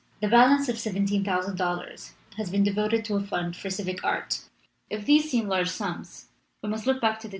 The balance of $17,000 has been devoted to a fund for civic art. If these seem large sums, we must look back to the.